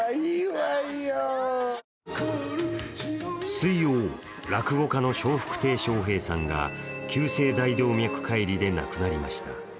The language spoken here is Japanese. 水曜、落語家の笑福亭笑瓶さんが急性大動脈解離で亡くなりました。